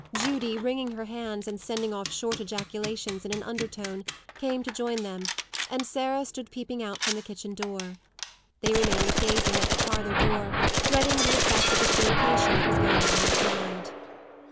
Judy, wringing her hands, and sending off short ejaculations in an undertone, came to join them, and Sarah stood peeping out from the kitchen door. They remained gazing at the parlour door, dreading the effect of the communication that was going on inside.